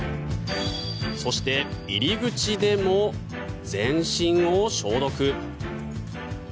そして、入り口でも全身を消毒。